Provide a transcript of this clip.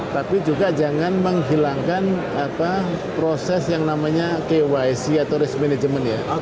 tapi juga jangan menghilangkan proses yang namanya kyc atau risk management ya